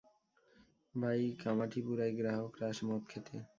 ভাই, কামাঠিপুরায় গ্রাহকরা আসে মদ খেয়ে।